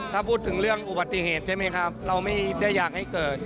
ถ้าพูดถึงเรื่องอุบัติเหตุใช่ไหมครับเราไม่ได้อยากให้เกิด